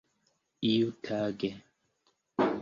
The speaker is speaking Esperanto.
iutage